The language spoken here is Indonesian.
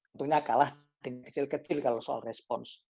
tentunya kalah dengan kecil kecil kalau soal respons